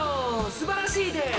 すばらしいです！